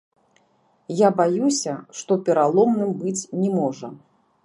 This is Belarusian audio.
Я баюся, што пераломным быць не можа.